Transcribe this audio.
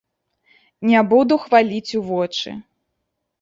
Не буду хваліць у вочы.